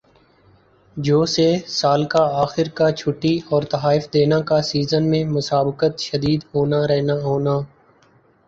جو سے سال کا آخر کا چھٹی اور تحائف دینا کا سیزن میں مسابقت شدید ہونا رہنا ہونا